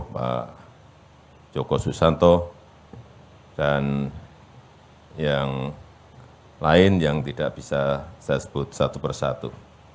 pak joko susanto dan yang lain yang tidak bisa saya sebut satu persatu